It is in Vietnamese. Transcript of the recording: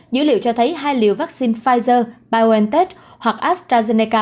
dữ liệu cho thấy hai liều vaccine pfizer biontech hoặc astrazeneca